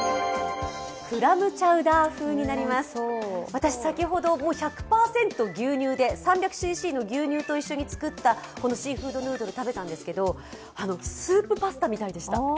私先ほど１００％牛乳で、３００ＣＣの牛乳で作ったシーフードヌードル食べたんですけどスープパスタみたいでした。